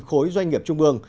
khối doanh nghiệp trung ương